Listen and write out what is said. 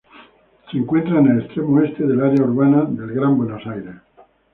Se encuentra en el extremo oeste del área urbana del Gran Buenos Aires.